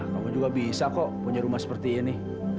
kamu juga bisa kok punya rumah seperti ini